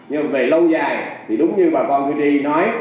nhưng mà về lâu dài thì đúng như bà con khuyên tri nói